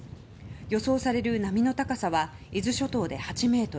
予想される波の高さは伊豆諸島で８ｍ